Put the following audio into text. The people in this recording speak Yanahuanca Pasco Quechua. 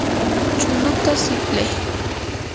chunuta siplay.